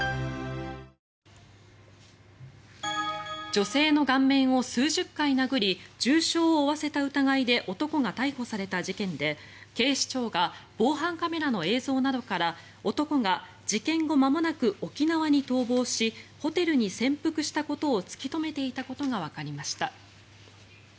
女性の顔面を数十回殴り重傷を負わせた疑いで男が逮捕された事件で、警視庁が防犯カメラの映像などから男が事件後まもなく沖縄に逃亡しホテルに潜伏したことを突き止めていたことがわかりました。